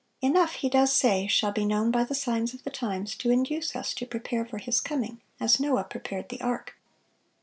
Enough, He does say, shall be known by the signs of the times, to induce us to prepare for His coming, as Noah prepared the ark."